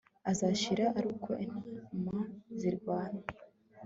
Azashira aruko intama zirwana